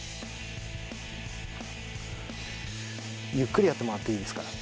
ゆっくりやってもらっていいですから。